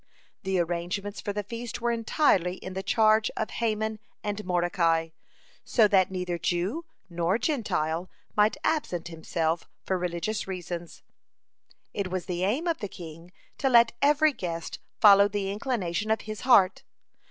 The arrangements for the feast were entirely in the charge of Haman and Mordecai, so that neither Jew nor Gentile might absent himself for religious reasons. (18) It was the aim of the king to let every guest follow the inclination of his heart.